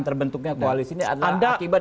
terbentuknya koalis ini adalah akibat dari